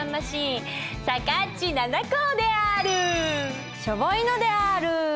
しょぼいのである。